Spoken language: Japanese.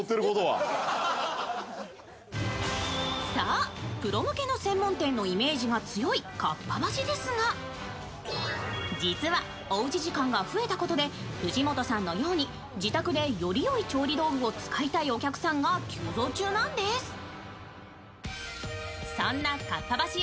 そう、プロ向けの専門店のイメージが強いかっぱ橋ですが、実は、おうち時間が増えたことで藤本さんのように自宅でよりよい調理道具を使いたいお客さんが急増中なんです。